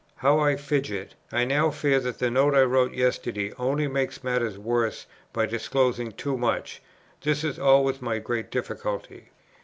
How I fidget! I now fear that the note I wrote yesterday only makes matters worse by disclosing too much. This is always my great difficulty.